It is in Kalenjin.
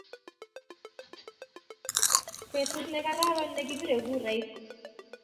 betut ne kararan ne kipire kurait ko tara mi kalye